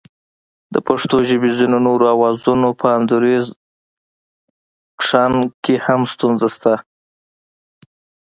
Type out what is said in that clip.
د پښتو ژبې ځینو نورو آوازونو په انځوریز کښنګ کې هم ستونزه شته